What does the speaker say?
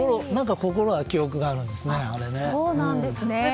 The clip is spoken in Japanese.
心は記憶があるんですね。